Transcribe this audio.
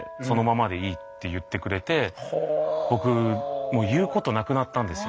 僕もう言うことなくなったんですよ。